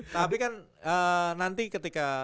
tapi kan nanti ketika